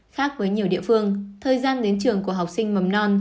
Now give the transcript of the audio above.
khác với nhiều địa phương thời gian đến trường của học sinh mầm non